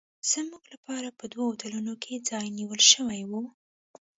زموږ لپاره په دوو هوټلونو کې ځای نیول شوی و.